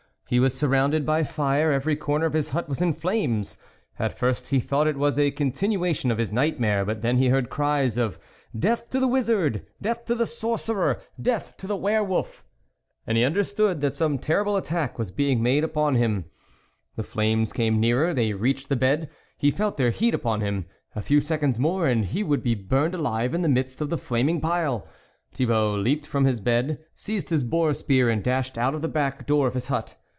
He was surrounded by fire, every corner of his hut was in flames ; at first he thought it was a continuation of his nightmare, but then he heard cries of, " Death to the wizard ! death to the sorcerer ! death to the were wolf !" and he THE WOLF LEADER understood that some terrible attack was being made upon him. The flames came nearer, they reached the bed, he felt their heat upon him ; a few seconds more and he would be burned alive in the midst of the flaming pile. Thibault leaped from his bed, seized his boar spear, and dashed out of the back door of his hut.